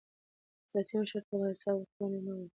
سیاسي مشرتابه حساب ورکونه غواړي